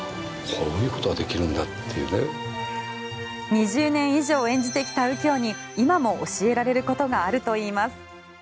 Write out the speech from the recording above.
２０年以上演じてきた右京に今も教えられることがあるといいます。